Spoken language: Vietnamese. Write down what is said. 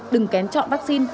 đừng kén chọn vaccine